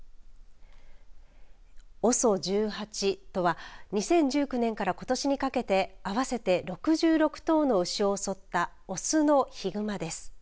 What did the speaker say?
ＯＳＯ１８とは２０１９年からことしにかけて合わせて６６頭の牛を襲った雄のヒグマです。